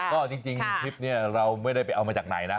ก็จริงคลิปนี้เราไม่ได้ไปเอามาจากไหนนะ